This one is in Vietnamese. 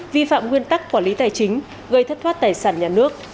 vi phạm nguyên tắc quản lý tài chính gây thất thoát tài sản nhà nước